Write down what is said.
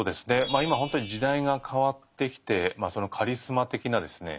まあ今ほんとに時代が変わってきてカリスマ的なですね